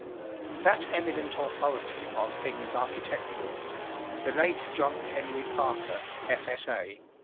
That eminent authority on things architectural the late John Henry Parker, F.S.A.